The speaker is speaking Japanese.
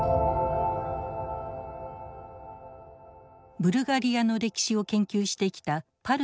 ブルガリアの歴史を研究してきたパルベフ教授。